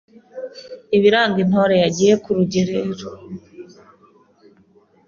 Ibiranga Intore yagiye ku rugerero